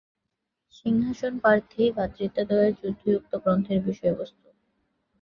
সিংহাসনপ্রার্থী ভ্রাতৃদ্বয়ের যুদ্ধই উক্ত গ্রন্থের বিষয়বস্তু।